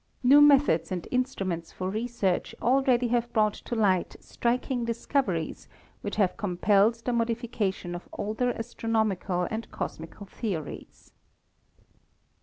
New meth ods and instruments for research already have brought to light striking discoveries which have compelled the modi fication of older astronomical and cosmical theories.